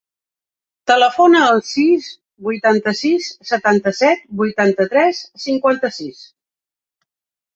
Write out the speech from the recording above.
Telefona al sis, vuitanta-sis, setanta-set, vuitanta-tres, cinquanta-sis.